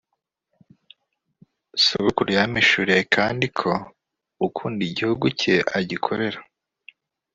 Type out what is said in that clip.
sogokuru yampishuriye kandi ko ukunda igihugu ke agikorera,